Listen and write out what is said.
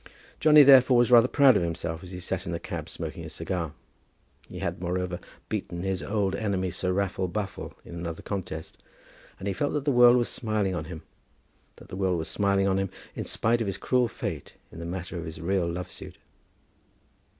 Johnny, therefore, was rather proud of himself as he sat in the cab smoking his cigar. He had, moreover, beaten his old enemy Sir Raffle Buffle in another contest, and he felt that the world was smiling on him; that the world was smiling on him in spite of his cruel fate in the matter of his real lovesuit.